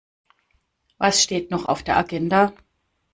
Was steht noch auf der Agenda?